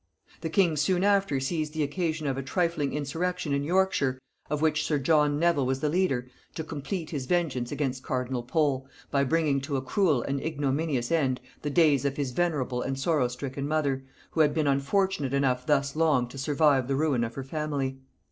The king soon after seized the occasion of a trifling insurrection in Yorkshire, of which sir John Nevil was the leader, to complete his vengeance against cardinal Pole, by bringing to a cruel and ignominious end the days of his venerable and sorrow stricken mother, who had been unfortunate enough thus long to survive the ruin of her family.